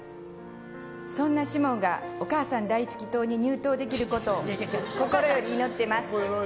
そんな士門がお母さん大好き党に入党できることを心より祈っています！